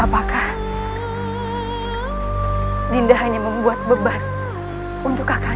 apakah dinda hanya membuat beban untuk kak kandas